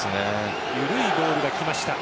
緩いボールが来ました。